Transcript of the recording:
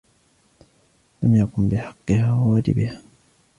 وَلَمْ يَقُمْ بِحَقِّهَا وَوَاجِبِهَا